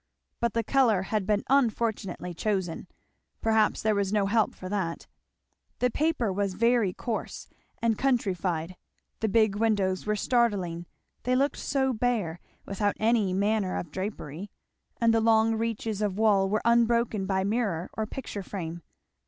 But the colour had been unfortunately chosen perhaps there was no help for that; the paper was very coarse and countryfied; the big windows were startling, they looked so bare, without any manner of drapery; and the long reaches of wall were unbroken by mirror or picture frame.